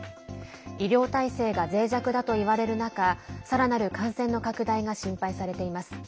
医療体制がぜい弱だといわれる中さらなる感染の拡大が心配されています。